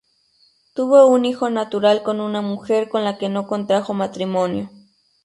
Tuvo un hijo natural con una mujer con la que no contrajo matrimonio.